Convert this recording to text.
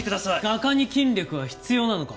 画家に筋力は必要なのか？